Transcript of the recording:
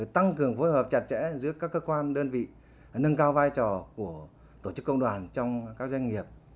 tăng cường phối hợp chặt chẽ giữa các cơ quan đơn vị nâng cao vai trò của tổ chức công đoàn trong các doanh nghiệp